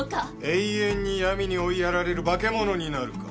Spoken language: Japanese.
永遠に闇に追いやられる化け物になるか。